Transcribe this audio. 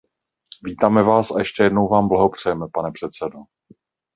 Vítáme vás a ještě jednou vám blahopřejeme, pane předsedo.